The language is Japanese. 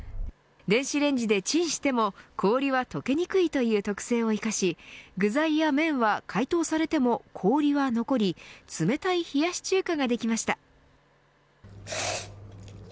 電子レンジでチンしても氷は溶けにくいという特性を生かし具材や麺は解凍されても氷は残り冷たい冷やし中華ができました。